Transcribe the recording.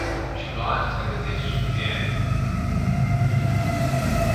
She glanced at the dish again.